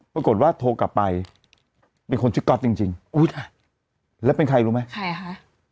ปรากฏว่าโทรกลับไปเป็นคนชื่อก๊อตจริงจริงอุ้ยแล้วเป็นใครรู้ไหมใครคะ